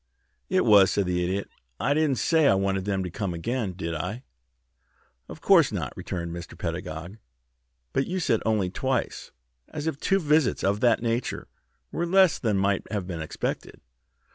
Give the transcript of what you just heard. "It was," said the Idiot. "I didn't say I wanted them to come again, did I?" "Of course not," returned Mr. Pedagog. "But you said 'only twice,' as if two visits of that nature were less than might have been expected."